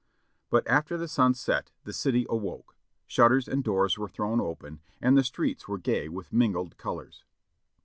But after the sun set the city awoke; shutters and doors were thrown open and the streets were gay with mingled colors.